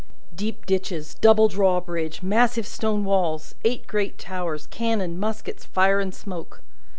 Deep ditches, double drawbridge, massive stone walls, eight great towers, cannon, muskets, fire and smoke.